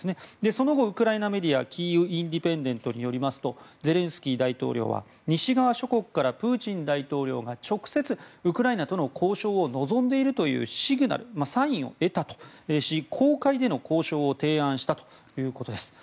その後、ウクライナメディアキーウ・インディペンデントによりますとゼレンスキー大統領は西側諸国からプーチン大統領が直接、ウクライナとの交渉を望んでいるというシグナルサインを得たとし公開での交渉を提案したということです。